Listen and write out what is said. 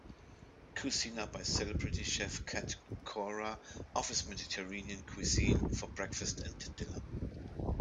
Kouzzina by celebrity chef Cat Cora offers Mediterranean cuisine for breakfast and dinner.